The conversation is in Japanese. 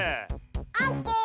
オッケー！